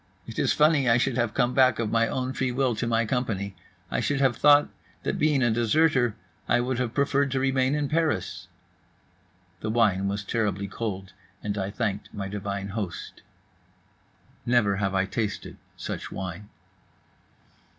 It is funny I should have come back, of my own free will, to my company. I should have thought that being a deserter I would have preferred to remain in Paris." The wine was terribly cold, and I thanked my divine host. Never have I tasted such wine.